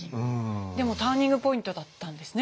でもターニングポイントだったんですね？